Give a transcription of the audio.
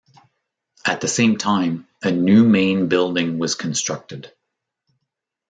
At the same time, a new main building was constructed.